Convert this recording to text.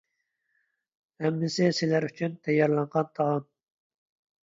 ھەممىسى سىلەر ئۈچۈن تەييارلانغان تائام.